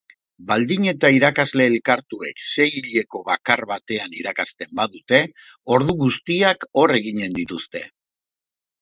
Baldin eta irakasle elkartuek seihileko bakar batean irakasten badute, ordu guztiak hor eginen dituzte.